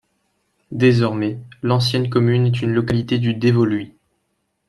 Désormais, l'ancienne commune est une localité du Dévoluy.